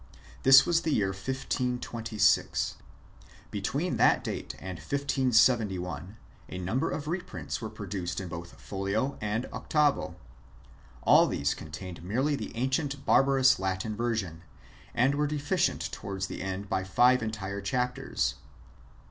This was in the year 1526. Between that date and 1571, a number of reprints were produced in both folio and octavo. All these contained merely the ancient barbarous Latin version, and were deficient towards the end by five entire chapters.